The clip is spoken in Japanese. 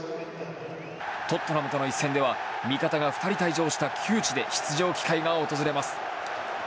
トットナムとの一戦では味方が２人退場した窮地で出場機会が訪れます。